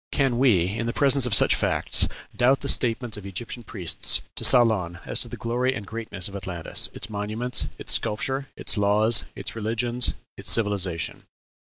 Can we, in the presence of such facts, doubt the statements of the Egyptian priests to Solon, as to the glory and greatness of Atlantis, its monuments, its sculpture, its laws, its religion, its civilization?